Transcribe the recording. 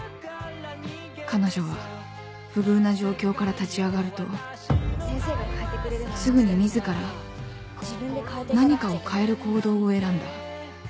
彼女は不遇な状況から立ち上がるとすぐに自ら何かを変える行動を選んだ